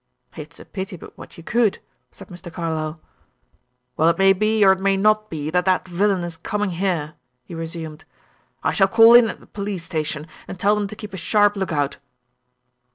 "It's a pity but what you could," said Mr. Carlyle. "Well, it may be, or it may not be, that that villain is coming here," he resumed. "I shall call in at the police station, and tell them to keep a sharp lookout."